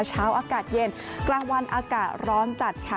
เช้าอากาศเย็นกลางวันอากาศร้อนจัดค่ะ